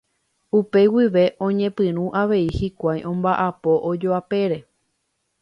Upe guive oñepyrũ avei hikuái omba'apo ojoapére.